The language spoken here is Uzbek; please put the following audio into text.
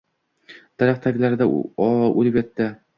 Daraxt taglarida o‘lib yotdi.